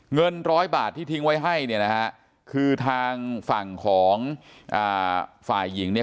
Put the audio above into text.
เงินร้อยบาทที่ทิ้งไว้ให้เนี่ยนะฮะคือทางฝั่งของฝ่ายหญิงเนี่ย